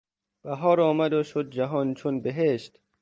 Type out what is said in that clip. بهار آمد و شد جهان چون بهشت.